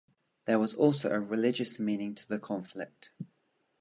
There was also a religious meaning to the conflict.